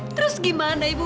terus gimana ibu